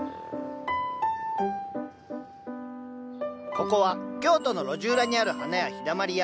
ここは京都の路地裏にある花屋「陽だまり屋」。